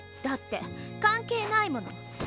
だって関係ないもの。